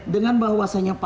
dengan bahwasannya perbuatan